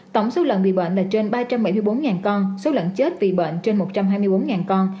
tổng số lợn bị bệnh là trên ba trăm bảy mươi bốn con số lợn chết vì bệnh trên một trăm hai mươi bốn con